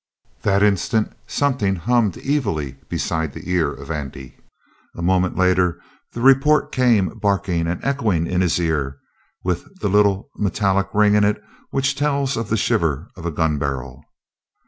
That instant something hummed evilly beside the ear of Andy. A moment later the report came barking and echoing in his ear with the little metallic ring in it which tells of the shiver of a gun barrel.